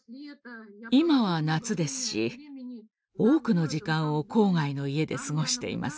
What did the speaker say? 今は夏ですし多くの時間を郊外の家で過ごしています。